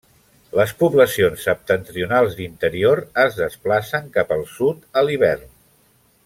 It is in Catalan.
Les poblacions septentrionals d'interior, es desplacen cap al sud a l'hivern.